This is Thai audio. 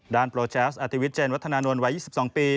ด้านโปรแจสอธิวิตเจนวัฒนานวลวัย๒๒ปี